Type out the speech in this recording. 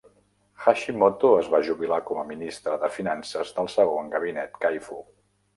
Hashimoto es va jubilar com a ministre de finances del segon gabinet Kaifu.